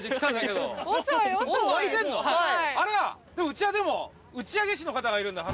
うちはでも打ち上げ師の方がいるんで。